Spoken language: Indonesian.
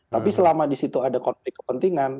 tapi selama di situ ada konflik kepentingan